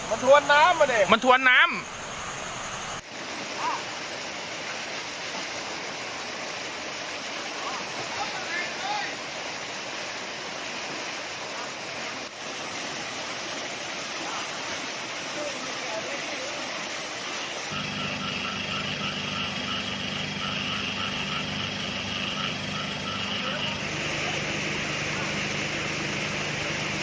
เอาไปดีกว่าข้ามได้บ้างสิครับ